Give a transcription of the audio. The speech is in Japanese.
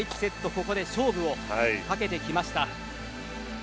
ここで勝負をかけてきました。